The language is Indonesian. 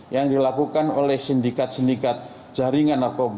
yang dilakukan oleh sindikat sindikat jaringan narkoba